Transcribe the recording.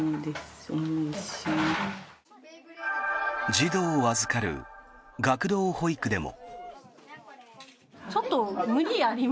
児童を預かる学童保育でも。